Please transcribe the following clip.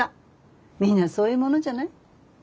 みんなそういうものじゃない？